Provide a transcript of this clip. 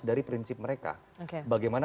dari prinsip mereka bagaimana